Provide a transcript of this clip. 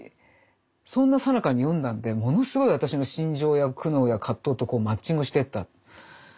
そんなさなかに読んだんでものすごい私の心情や苦悩や葛藤とマッチングしてった。